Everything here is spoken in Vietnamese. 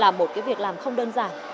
là một cái việc làm không đơn giản